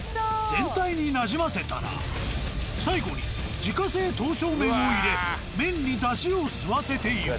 全体になじませたら最後に自家製刀削麺を入れ麺にだしを吸わせていく。